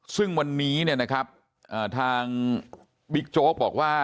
ซึ่งวันนี้เนี่ยนะครับทางบิ๊กโจ๊กบอกว่า